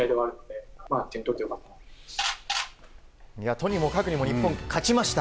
とにもかくにも日本、勝ちました。